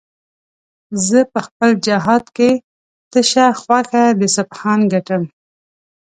زه په خپل جهاد کې تشه خوښه د سبحان ګټم